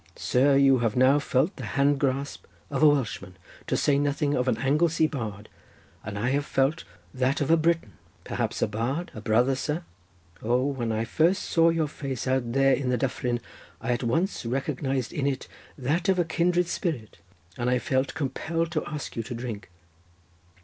Sir, you have now felt the hand grasp of a Welshman, to say nothing of an Anglesey bard, and I have felt that of a Briton, perhaps a bard, a brother, sir? O, when I first saw your face out there in the dyffryn, I at once recognised in it that of a kindred spirit, and I felt compelled to ask you to drink.